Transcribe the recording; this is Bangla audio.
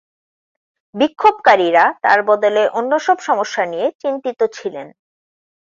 বিক্ষোভকারীরা তার বদলে অন্যসব সমস্যা নিয়ে চিন্তিত ছিলেন।